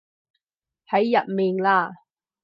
喺入面嘞